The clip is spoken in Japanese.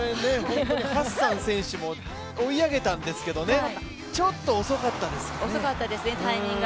ハッサン選手も追い上げたんですけどね、遅かったですね、タイミングが。